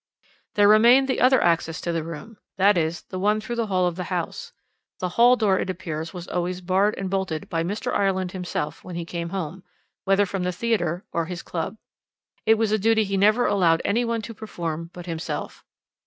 "There remained the other access to the room, that is, the one through the hall of the house. The hall door, it appears, was always barred and bolted by Mr. Ireland himself when he came home, whether from the theatre or his club. It was a duty he never allowed any one to perform but himself.